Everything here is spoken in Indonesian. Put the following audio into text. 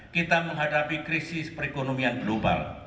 kita menghadapi krisis perekonomian global